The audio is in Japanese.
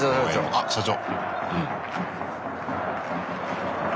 あっ社長。